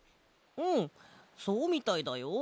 うんそうみたいだよ。